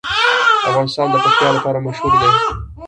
افغانستان د پکتیا لپاره مشهور دی.